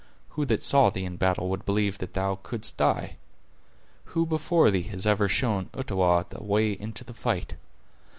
Who that saw thee in battle would believe that thou couldst die? Who before thee has ever shown Uttawa the way into the fight?